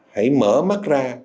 hãy mở mắt ra